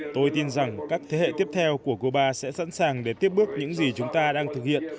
tôi tin rằng các thế hệ tiếp theo của cuba sẽ sẵn sàng để tiếp bước những gì chúng ta đang thực hiện